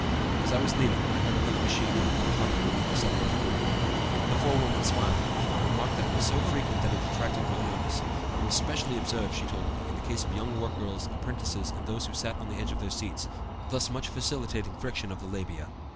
"As I was leaving, I heard another machine at another part of the room in accelerated movement. The forewoman smiled at me, and remarked that that was so frequent that it attracted no notice. It was specially observed, she told me, in the case of young work girls, apprentices, and those who sat on the edge of their seats, thus much facilitating friction of the labia."